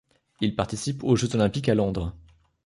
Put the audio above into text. Il participe aux Jeux olympiques à Londres.